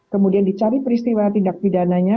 kemudian dicari peristiwa tindak pidananya